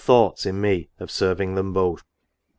thoughts in «ie of serving them both.'